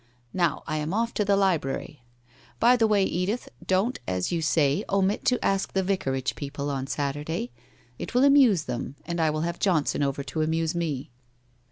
Now I am off to the library. By the way, Edith, don't, as you say, omit to ask tli" Vicarage people on Saturday. It will amuse them, and I will have Johnson over to amuse me.